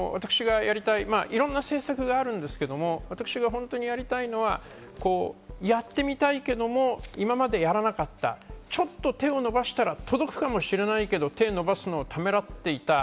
私がやりたい、いろんな政策があるんですけど、本当にやりたいのはやってみたいけど今までやらなかったちょっと手を伸ばしたら届くかもしれないけど、手を伸ばすのをためらっていた。